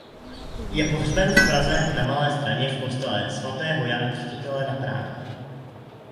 Je pohřben v Praze na Malé Straně v kostele svatého Jana Křtitele Na prádle.